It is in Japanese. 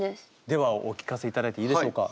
ではお聴かせいただいていいでしょうか。